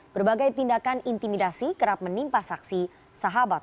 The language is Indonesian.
berbagai tindakan intimidasi kerap menimpa saksi sahabat